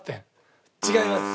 違います。